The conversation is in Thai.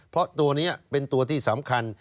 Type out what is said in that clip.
เพราะตัวนี้เป็นตัวที่สำคัญ